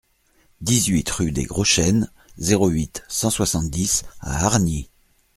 dix-huit rue des Gros Chênes, zéro huit, cent soixante-dix à Hargnies